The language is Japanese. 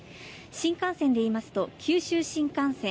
新幹線で言いますと九州新幹線